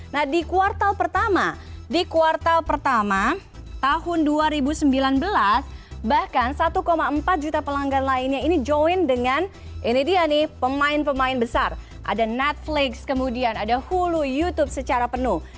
nah di kuartal pertama di kuartal pertama tahun dua ribu sembilan belas bahkan satu empat juta pelanggan lainnya ini join dengan ini dia nih pemain pemain besar ada netflix kemudian ada hulu youtube secara penuh